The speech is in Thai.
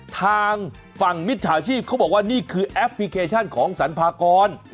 ทางฝั่งมิจฉาชีพเขาบอกว่านี่คือแอปพลิเคชันของสรรพากร